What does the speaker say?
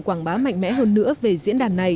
quảng bá mạnh mẽ hơn nữa về diễn đàn này